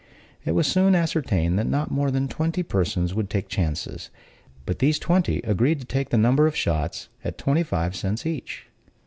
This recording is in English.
It was soon ascertained that not more than twenty persons would take chances; but these twenty agreed to take the number of shots, at twenty five cents each.